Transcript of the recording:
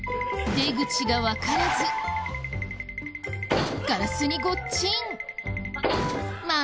出口がわからずガラスにゴッチン。